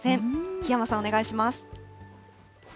檜山さん、お願いします。